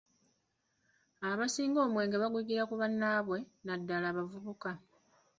Abasinga omwenge baguyigira ku bannaabwe naddala abavubuka.